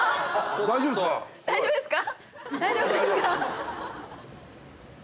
大丈夫ですか？